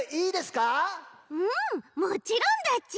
うんもちろんだち。